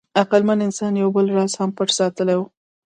عقلمن انسان یو بل راز هم پټ ساتلی و.